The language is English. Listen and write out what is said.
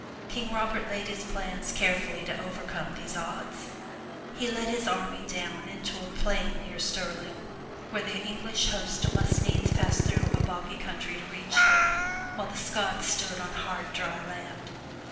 King Robert laid his plans carefully to overcome these odds. He led his army down into a plain near Stirling, where the English host must needs pass through a boggy country to reach them, while the Scots stood on hard, dry ground.